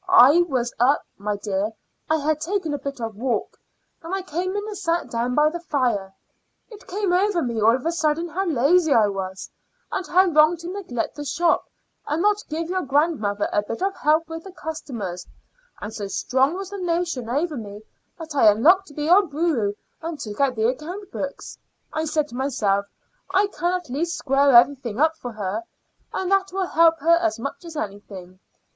I was up, my dear; I had taken a bit of a walk, and I came in and sat down by the fire. It came over me all of a sudden how lazy I was, and how wrong to neglect the shop and not give your grandmother a bit of help with the customers; and so strong was the notion over me that I unlocked the old bureau and took out the account books. I said to myself I can at least square everything up for her, and that will help her as much as anything.